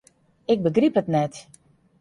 Ik begryp it net.